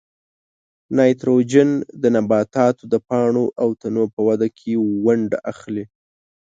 نایتروجن د نباتاتو د پاڼو او تنو په وده کې ونډه اخلي.